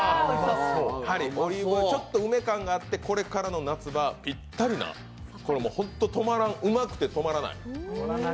オリーブオイル、ちょっと梅感があって、これからの夏場ぴったりな、これは本当にうまくて止まらない。